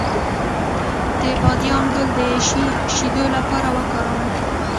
د بادیان ګل د شیدو لپاره وکاروئ